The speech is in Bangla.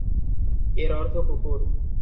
এর অর্থ কুকুর।